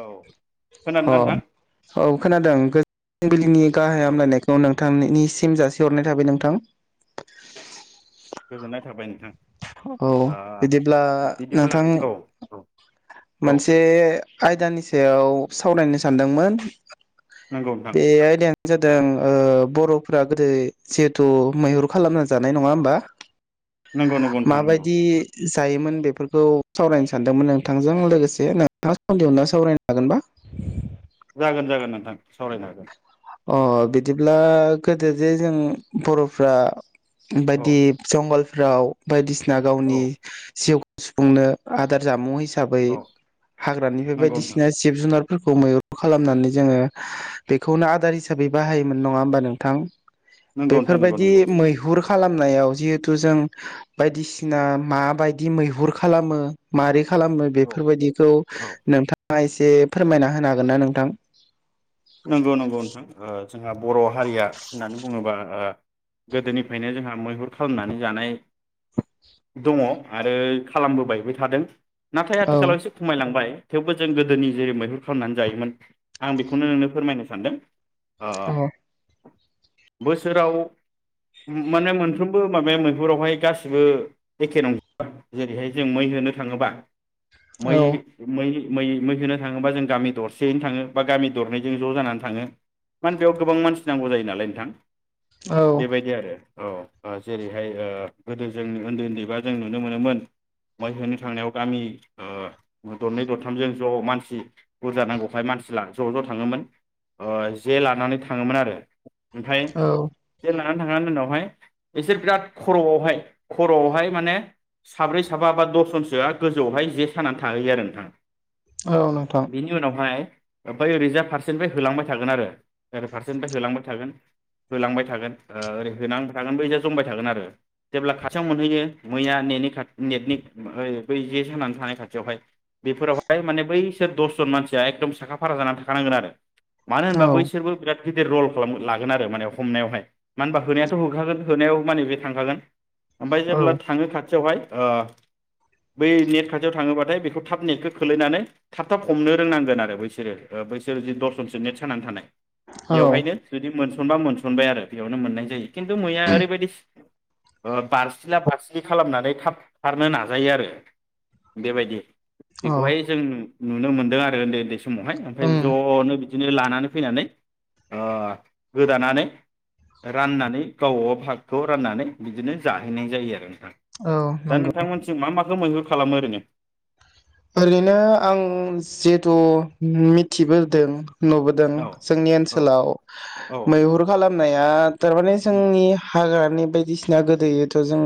औ अ खोनादोंना नोंथां औ खोनादों बिलिनि गाहाय औ हामलायनायखौ नोंथांनि नि सिम जासिहरनाय थाबाय नोंथां गोजोननाय थाबाय नोंथां औ ओ बिदिब्ला बिदिब्ला नोंथां औ औ औ मोनसे आयदानि सायाव सावरायनो सानदोंमोन नोंगौ नोंथां बे आयदायानो जादों ओ बर'फोरा गोदो जिहथु मैहुर खालामना जानाय नङा होमबा नंगौ नंगौ नोंथां नंगौ माबायदि जायोमोन बेफोरखौ सावरायनो सानदोंमोन नों आंजों लोगोसे नोंथाङा सन्देहनो सावरायनो हागोनबा जागोन जागोन नोंथां सावरायनो हागोन अ बिदिब ब्ला गोदो जे जों बर'फ्रा औ बायदिब जंगल फ्राव बायदिस ना औ गावनि जिउ सुफुंनो आदार जामु हिस साबै औ हाग्रानिफाय नंगौ नोंथां बायदिसिना जिब जुनार फोरखौ मैहुर खालामनानै जोङो बेखौनो आर दार हिसाबै बाहायोमोन नङा होमबा नोंथां नंगौ नोंथां नंगौ बेफोरबायदि नंगौ मैहुर खालामनायाव जिहेथु जों बायदिसिना माबायदि मैहुर खालामो मारै खालामनो औ बेफोरबायदिखौ औ नोंथां [unintelligible] एसे फोरमायना होनो हागोन ना नोंथां नोंगौ नोंगौ नोंथां ओ जोंहा बर' हारिया होननानै बुङोबा ओ गोदोनिफ्रायनो जोंहा मैहुर खालामनानै जानाय दङ' आरो खालामबोबायबाय थादों। नाथाय औ आथिखालाव एसे खमायलांबाय। थेवबो जों गोदोनि जे मैहुर खालामनानै जायोमोन आं बेखौनो नोंनो फोरमायनो सानदों। ओ ओ औ बोसोराव माने मोनफ्रोमबो माबाया मैहुरावहाय गासिबो एखे नंजोबा जेरैहाय जों मै होनो थाङोबा मै औ मै मै मै होनो थाङोबा जों गामि दरसेयैनो थाङो बा गामि दरनै जों ज' जानानै थाङो माने बेयाव गोबां मानसि नांगौ जायो नालाय नोंथां। औ बेबायदि आरो। औ ओ जेरैहाय ओ गोदो जों ओन्दै ओन्दैबा जों नुनो मोनोमोन मै होनो थांनायाव गामि ओ दरनै दरथामजों ज' मानसि बुरजा नांगौखाय मानसि लां ज' ज' थाङोमोन ओ जे लानानै थाङोमोन आरो। ओमफ्राय औ जेना [unintelligible] उनावहाय बिसोर बिराद खर'आवहाय खर'आवहाय माने साब्रै साबा बा दसजनसोआ गोजौआवहाय जे सानानै थाहैयो आरो नोंथां औ नोंथां बिनि उनावहाय ओमफ्राय ओरैजा फारसेनिफ्राय होलांबाय थागोन आरो ओरै फारसेनिफ्राय होलांबाय थागोन होलांबाय थागोन ओ ओरै होनांथागोन बैजो जमबाय थागोन आरो जेब्ला खाथियाव मोनहैयो मैया नेनि खाथ नेटनि ओ बै जे सानानै थानाय खाथियावहाय। बेफोरावहाय माने बै स [unintelligible] दसजन मानसिया एकदम साखा फारा जाना था थानांगोन आरो। मानो औ होनबा बैसोरबो बिराद बिराद गिदिर रल खालाम लागोन आरो माने हमनायावहाय मानो होनबा होनायाथ' होखागोन होनायाव माने बे थांखागोन। ओमफ्राय जेब्ला थाङो खाथियावहाय ओ बै नेट खाथियाव थाङोबाथाय बेखौ थाब नेटखौ खोलैनानै थाब थाब हमनो रोंनांगोन आरो बैसोरो। ओ बैसोर जि दसनसो नेट सोंनानै थानाय औ बेवहायनो जुदि मोनस'नबा मोनस'नबाय आरो बेयावनो मोननाय जायो। खिथु मैया ओरैबायदि ओ बारसिला बारसिलि खालामनानै थाब खारनो नाजायो आरो बेबायदि। औ बेखौहाय जों नुनो मोनदों आरो उन्दै उन्दै समावहाय। ओमफाय उम ज'नो बिदिनो लानानै फैनानै ओ गोदानानै राननानै गावबा गाव भागखौ राननानै बिदिनो जाहैनाय जायो आरो। औ दा नंगौ नोंथांमोनसिम मा माखौ मैहुर खालामो ओरैनो? ओरैनो आं जिहुथु मिथिबोदों नुबोदों औ जोंनि औ ओनसोलाव औ मैहुर खालामनाया थारमाने उम जोंनि हाग्रा नि बायदिसिना गोदोथ' जों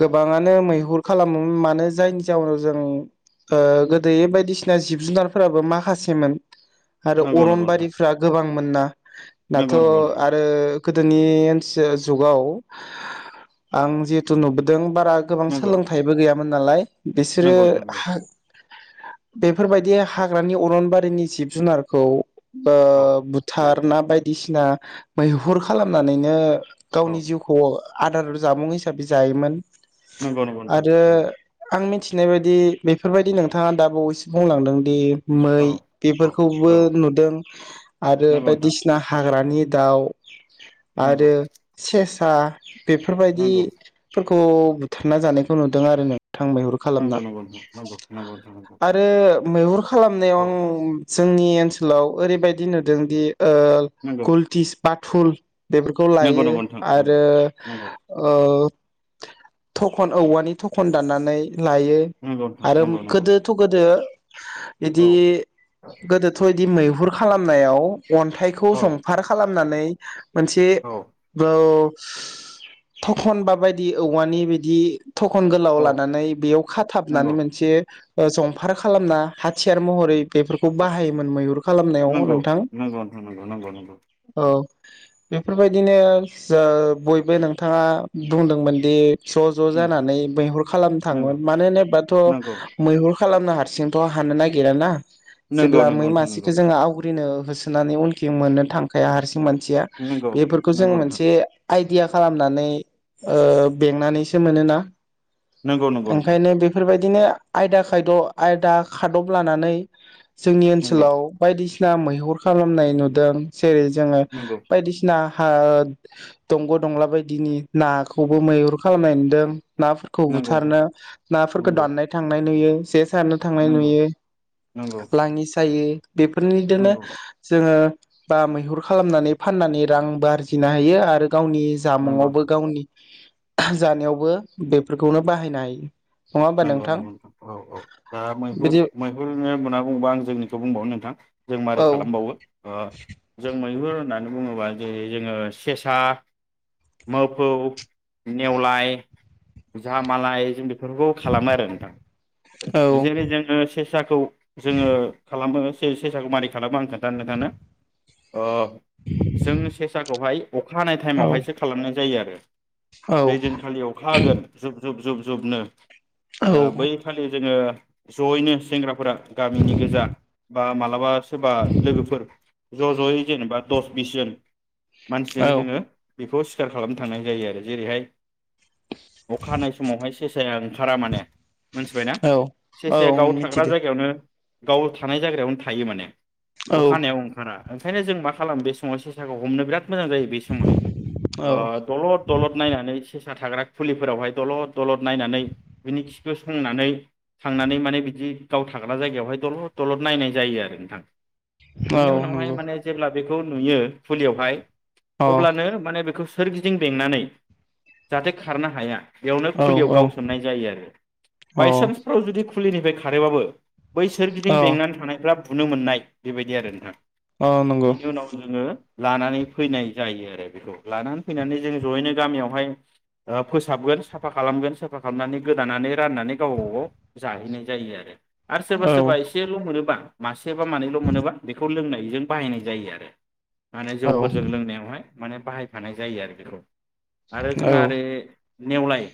गोबाङानो मैहुर खालामोमोन मानो जायनि जाहोनाव जों ओ गोदोयै बायदिसिना जिब जुनारफोराबो माखासेमोन। आरो नंगौ नंगौ नोंथां अरनबारिफ्रा गोबां मोनना। दाथ' नंगौ नंगौ नोंथां आरो गोदोनि जुगाव आं जिहेथु नुबोदों बारा गोबां नंगौ सोलोंथाइबो गैया मोन नालाय। बिसोरो नंगौ नोंथां नंगौ हा बेफोरबायदि हाग्रानि अरनबारिनि जिब जुनारखौ औ ओ बुथाद ना बायदिसिना मैहुर खालामनानैनो औ गावनि जिउखौ आदार जामुं हिसाबै जायोमोन। नंगौ नंगौ नोंथां आरो नंगौ आं मिथि फिनाय बायदि बेफोरबायदि नोंथाङा दा बावैसे बुंलांदों दि मै औ औ बेफोरखौबो औ नुदों आरो नंगौ नोंथां बायदिसिना हाग्रानि दाउ नंगौ आरो सेस सा बेफोरबायदि नंगौ खौ बुथारना जानायखौ नुदों आरो नों थां मैहुर नंगौ खालामना। नंगौ नोंथां नंगौ नंगौ नोंथां नंगौ आरो मैहुर खालामनायाव औ आं जोंनि ओनसोल सोलाव ओरैबायदि नुदोंदि नंगौ गुलटिस बाथुल बेफोरखौ नंगौ लायो नंगौ नोंथां नंगौ आरो नंगौ ओ थखन औवानि थखन दाननानै लायो। नंगौ नोंथां आरो नंगौ नंगौ गोदोथ' गोदो औ बिदि गोदोथ' मैहुर खालामनायाव अन्थाइखौ औ जंफार खालाम नानै मोनसे औ बौ थखनबा बायदि औवानि बिदि थखन गोलाव औ लानानै बेयाव खाथाब नानै नंगौ मोनसे ओ जंफार खालामना हाथियार महरै बेफोरखौ बाहायोमोन मैहुर खालामनायाव नंगौ नोंथां नंगौं नोंथां नंगौ नंगौ नंगौ। औ बेफोरबायदिनो जो दयबो नोंथाङा बुंदोंमोन दि ज' ज' उम जानानै मैहुर खालामनो नंगौ थाङोमोन मानो होनो नंगौ थ' मैहुर खालामनो हारसिंथ' हानो नागिराना। नंगौ जेब्ला मै नंगौ नोंथां मासेखौ नंगौ जोङो आवग्रिनो होसोनानै उनथिं मोननो थांखाया हारसिं मोन सेया नंगौ बेफोरखौ जों नंगौ नोंथां मोनसे आय दिया खालामनानै ओ बेंनानैसो मोनो ना। नंगौ नंगौ नोंथां। बायदिनो आयदा खायद' आयदा खादब लानानै जोंनि नंगौ ओनसोलाव बायदिसि ना मैहुर खालामनाय नुदों। जेरै जोङो नंगौ बायदिसिना हा दंग' दंला बायदिनि नाखौबो मैहुर खालामनाय नुदों। नाफोरखौ नंगौ नोंथां बुथारनो फोरखो नंगौ दाननाय थांनाय नुयो जेस सारनो थांनाय नंगौ नुयो नंगौ लाङि सायो। बेफोरनिदिनो नंगौ जोङो बा मैहुर खालामनानै फाननानै रांबो आरजिनो हायो। आरो गावनि नंगौ जामुङावबो नोंथां गावनि जानायावबो बेफोरखौनो बाहायनो हायो। नङा होमबा नंगौ नंगौ नोंथां औ औ ओ मैहुर बिदि मैहुरनो होनना बुङोबा आं जोंनिखौ बुंबावनो नोंथां। जों मारै औ खालामबावो। ओ जों मैहुर होननानै बुङोबा [unintelligible] जेरै जोङो सेसा, मोफौ, नेवलाय, जामालाय। जों बेफोर खालामो आरो नोंथां। औ जेरै जोङो से साखौ जोङो खालामो से- सेसाखौ मारै खालामो आं खोन्थानो नोंथांनो। जों सेसाखौहाय अखा हानाय औ थाइमावहायसो खालामनाय जायो आ रो औ जै दिनखालि अखा हागोन जुब जुब जुब जुबनो। ओ बै औ खालि जोङो ज'यैनो सेंग्राफोरा गामिनि गोजा बा मालाबा सोरबा लोगोफोर ज' ज'यै जेनेबा दस बिस जोन। मानसिजों जोङो बेफोराव सिखार खालामनो थांनाय जायो आरो। जेरैहाय अखा हानाय समावहाय सेसाया ओरै खारा माने मोनथिबायना? औ औ सेसे गाव थाग्रा मिथिदो जायगायावनो गाव थानाय जायाग्रायावनो थायो माने। औ अखानायाव ओंखारा। ओंखायनो जों मा खालामदो बे समाव सेसाखौ हमनो बिराद मोजां जायो बे समावहाय ओ औ दलद दलद नायनानै सेसा थाग्रा खुलिफोरावहाय दलद दलद नायनानै बिनि खिखौ संनानै थांनानै माने बिदि गाव थाग्रा जायगायावहाय दलद दलद नायनाय जायो आरो नोंथां औ बेनि उनावहाय नंगौ माने जेब्ला बेखौ नुयो खुलियावहाय अ अब्लानो माने बेखौ सु सोरगिदिं बेंनानै जाहाथे खारनो हाया। बेयावनो औ खुलियाव औ गावसोमनाय जायो आरो अ बायसानसफोराव जुदि फुलिनिफ्राय खारोबाबो बै औ सोरगिदिं बेंनानै थानायफ्रा बुनो मोननाय बेबायदि आरो नोंथां। औ नंगौ बेनि उनाव जोङो लानानै फैनाय जायो आरो बेखौ लानानै फैनानै जों जयैनो गामियावहाय फोसाबगोन साफा खालामगोन साफा खालामनानै गोदानानै राननानै गाव गावबागाव जाहैनाय जायो आरो आरो सोरबा औ सोरबा एसेल' मोनोबा मासे सेबा मानैल' मोनोबा बेखौ लोंनाय बेजों बाहायनाय जायो आरो माने औ जौफोरजों लोंनायावहाय माने बाहायफानाय जायो आरो बेखौ आरो जोंहा ओरै नेवलाय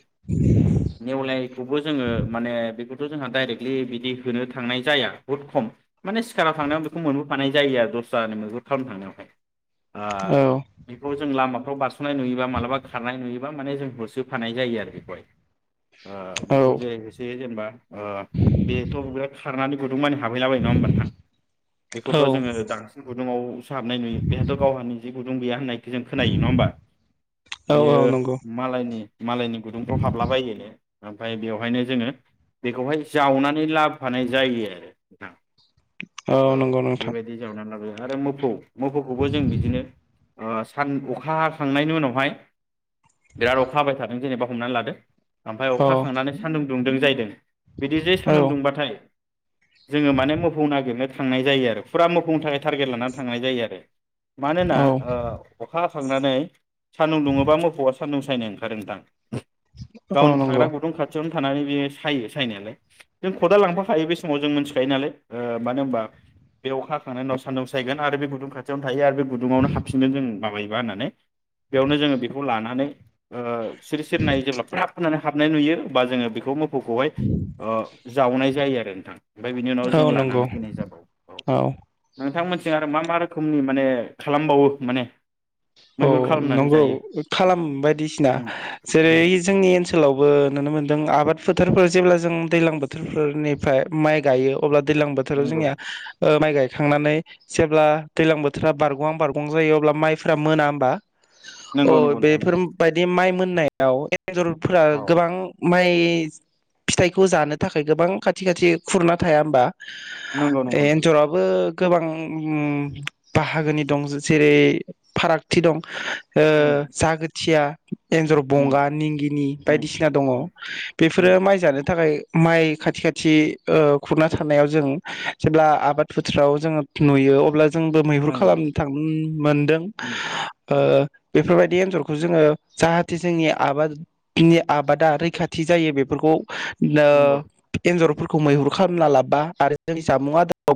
नेवलानायखौबो जोङो माने बे बेखौथ' जोंहा डाइरेक्टलि बिदि होनो थांनाय जाया बहुत खम माने सिखाराव थांनायाव बेखौ मोनबोफानाय जायो आरो दस्रानि मैहुर खालामनो थांनायावहाय। ओ बेखौ जों लामा औ बास नाय नुयोबा मालाबा खारनाय नुयो बा माने जों होसोफानाय जायो आरो बेखौहाय। ओ औ बेखौ जेरै होसोयो जेनेबा। अ बेथ' बिराद खारनानै। गुदुं मानि हाबहैलाबायो नङा होमबा नोंथां औ बेखौथ' जोङो दांसिन गुदुङावसो हाबनाय नुयो बेहाथ' गावहा निजे। गुुंदुं गैया होननाय। जों खोनायो नङा होमबा औ बियो औ नंगौ मालायनि। मालायनि गुदुंफ्राव। हाबला बायोनो ओमफाय बेवहायनो जोङो बेखौहाय जावनानै लाबोफानाय जायो आरो ना। औ नंगौ नोंथां बेबायदि जाव ना [inaudible] आरो मोफौ। मोफौखौबो जों बिदिनो। ओ सान अखा हाखांनायनि उनावहाय। बिराद अखा हाबाय थादों जेनेबा ह हमना लादो ओमफ्राय औ अखा हाखांनानै सान्दुं दुदों जाहैदों बिदि जे औ सान्दुं दुंबाथाय जोङो माने मोफौ नागिरनो थांनाय जायो आरो फुरा मोफौनि थाखाय टारगेट लानानै थांनाय जायो आरो मानोना औ ओ अखा थांनानै सानदुं दुङोबा मोफौआ सान्दुं थाबायनो ओंखारो नोंथां गावनि औ नंगौ थाग्रा गुदुं खाथियावनो थानानै बे सायो सायनायालाय जों खदाल लांफाखायो बे समाव जों मिथिखायो नालाय मानो होमबा बे अखा हाखांनायनि उनाव सान्दुं सायगोन आरो बे गुदुं खाथियावनो थायो आरो बे गुदुङावनो हाबफिनगोन जों माबायो लानानै बेयावनो जोङो बेखौ लानानै ओ सिरि सिरि नायो जेब्ला फोननानै हाबनाय नुयो बा जोङो बेखौ मोफ खौहाय जावनाय जायो आरो ओ नोंथां ओमफ्राय बिनि उनाव औ जों नंगौ लानानै फैनाय जाबाव औ नोंथां मोन थिं आरो मा मा रोखोमनि माने खालामबावो माने औ मैहुर खालामनानै नंगौ जायो खालाम बायदिसिना उम जेरै उम जोंनि ओन सोलावबो नुनो मोन्दों आबाद फोथारफोर जेब्ला जों दैज्लां बोथोर फोरनिफ्राय माइ गायो अब्ला दैज्लां बोथोराव नंगौ जोंनिया ओ माइ गायखांनानै जेब्ला दैज्लां बोथोरा बारग'आं बारग'आं जायो अब्ला माइफ्रा माइ मोना होमबा? अ नंगौ नंगौ नोंथां बेफोर नंगौ बायदि माइ मोन नायाव ए न्जरफोरा औ गोबां माइ फिथाइखौ जानो थाखाय गोबां खाथि खाथि खुरना थाया होमबा? नंगौ नंगौ नोंथां एन्जराबो गोबां ओम बाहागोनि दं जेरै फारागथि दं ओ उम जागोथिया एन्जर उम बंगा निंगिनि उम बायदिसिना दङ उम उम बेफोरो माइ जानो थाखाय माइ खाथि खाथि खुरना थानानायाव जों जेब्ला आबाद फोथाराव जोङो नुयो अब्ला जोंबो मैहुर नंगौ खालामनो थांनो मोनदों। उम उम ओ बेफोरबायदि एन्जरखौ जोङो जाहाथे जोंनि आबादनि आबादा रैखाथि जायो बेफोरखौ [inaudible] नंगौ एजर फोरखौ मैहुर खालामना लाबा आरो जोंनि जामुंआावबो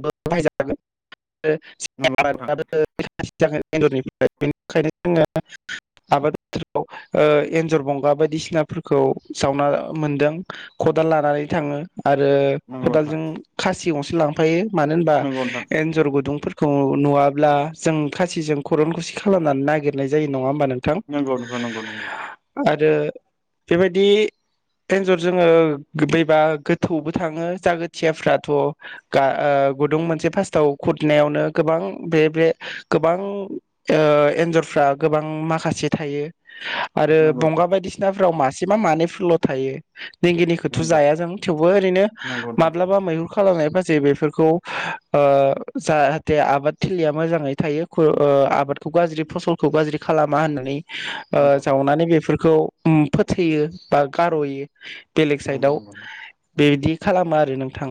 नंगौ बाहायजागोन। [unintelligible] [unintelligible] [unintelligible] ओ एन्जर बंगा बायदिसिनाफोरखौ जावना मोनदों खदाल लानानै थाङो आरो नोंथां खदालजों खा सिगांवसो लांफायो। मानो होनबा नंगौ नोंथां एन्जर गुदुंफोर खौ नुवाब्ला जों खासिजों खरनखुसि खालामनानै नागिरनाय जायो नङा होमबा नों नोंगौ नोंथां नोंगौ आरो बेबायदि एन्जर जोङो बबा गोथौआवबो थाङो जागोथियाफ्राथ' गुदुं मोनसे फास्टाव खुरनायावनो गोबां बे बे गोबां एन्जरफ्रा गोबां माखासे थायो। आरो बंगा बायदिसिनाफोराव मास से बा मानै फोरल' थायो। दिंगिनिखौथ' नंगौ जाया जों थेवबो ओरैनो नंगौ नोंथां नंगौ नोंथां माब्लाबा मैहुर खालामनाय फाजे बेफोरखौ ओ जाहाथे आबाद थिलिया मोजाङै थायो [unintelligible] बादखौ गाज्रि फसलखौ गाज्रि खालामा होननानै ओ नंगौ जावनानै बेफोर खौ उम फोथैयो बा गार'यो बेलेग नंगौ साइडआव नंगौ नंगौ बेदि खालामो आरो नों थां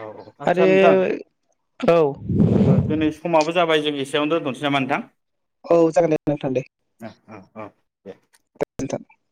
औ औ आच्छा नोंथां औ दोनै समाबो जाबाय जों एसेयावनो दोनथ'नोसै नामा नोंथां? औ जागोन दे नोंथां दे औ औ औ दे [unintelligible]